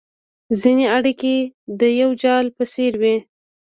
ځیني اړیکي د یو جال په څېر وي